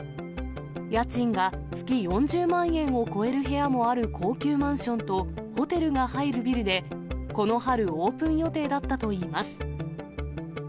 家賃が月４０万円を超える部屋もある高級マンションとホテルが入るビルで、この春、オープン予定だったといいます。